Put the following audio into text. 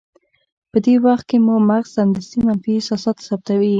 په دې وخت کې مو مغز سمدستي منفي احساسات ثبتوي.